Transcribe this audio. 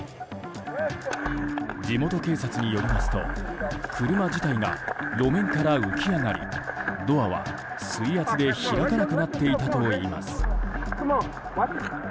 地元警察によりますと車自体が路面から浮き上がりドアは水圧で開かなくなっていたといいます。